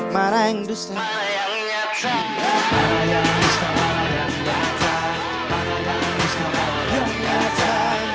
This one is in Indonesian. mana yang disalah yang nyata